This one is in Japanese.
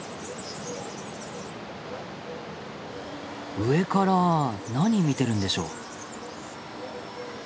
上から何見てるんでしょう？